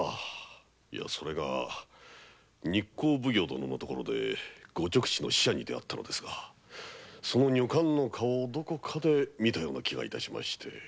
それが日光奉行殿の所でご勅使の使者に出会ったのですがその女官の顔をどこかで見たような気が致しまして。